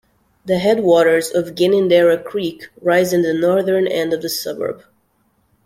The headwaters of Ginninderra Creek rise in the northern end of the suburb.